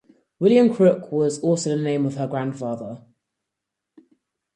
William Crook was also the name of her grandfather.